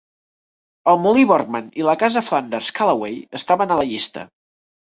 El molí Borgmann i la casa Flanders Callaway estaven a la llista.